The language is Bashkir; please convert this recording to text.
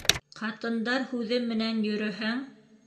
Ҡатындар һүҙе менән йөрөһәң